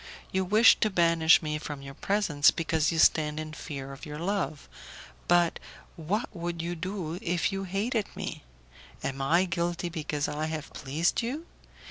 You wish to banish me from your presence because you stand in fear of your love, but what would you do if you hated me? Am I guilty because I have pleased you?